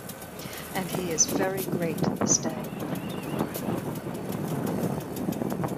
And he is very great this day.